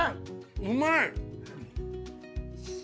・うまい！